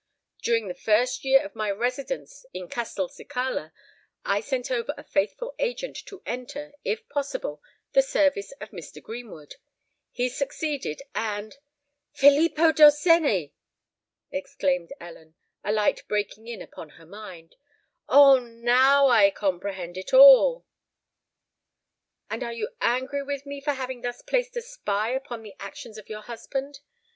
During the first year of my residence in Castelcicala I sent over a faithful agent to enter, if possible, the service of Mr. Greenwood. He succeeded, and——" "Filippo Dorsenni!" exclaimed Ellen, a light breaking in upon her mind: "Oh now I comprehend it all!" "And are you angry with me for having thus placed a spy upon the actions of your husband?"